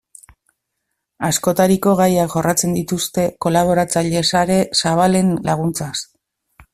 Askotariko gaiak jorratzen dituzte kolaboratzaile sare zabalen laguntzaz.